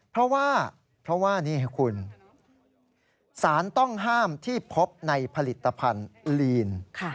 เพราะว่าเพราะว่านี่คุณสารต้องห้ามที่พบในผลิตภัณฑ์ลีน